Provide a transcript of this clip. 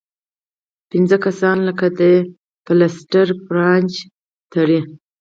پنځۀ کسان لګيا دي پلستر لپاره پرانچ تړي